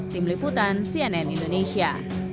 tim liputan cnn indonesia